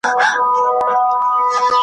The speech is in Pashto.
نو پیغام تر ښکلا مهم دی